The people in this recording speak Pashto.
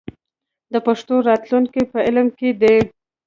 د پښتو راتلونکی په علم کې دی.